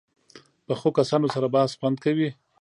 پخو کسانو سره بحث خوند کوي